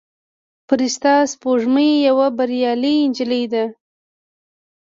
فرشته سپوږمۍ یوه بریالۍ نجلۍ ده.